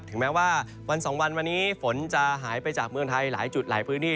แม้ว่าวันสองวันวันนี้ฝนจะหายไปจากเมืองไทยหลายจุดหลายพื้นที่